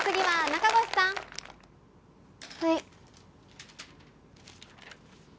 はい。